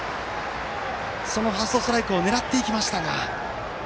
そのファーストストライクを狙っていきましたが。